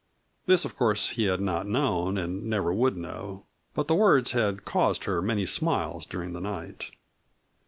This of course he had not known and never would know, but the words had caused her many smiles during the night.